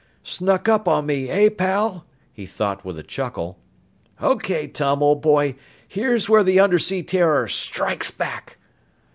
"Snuck up on me, eh, pal?" he thought with a chuckle. "Okay, Tom old boy, here's where the undersea terror strikes back!"